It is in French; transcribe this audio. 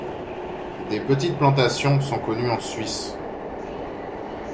Des petites plantations sont connues en Suisse.